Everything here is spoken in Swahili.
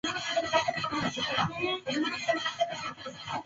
Alijiunga na kikundi cha wapiga picha